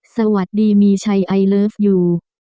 สวัสดีมีชัยไอเลิฟยู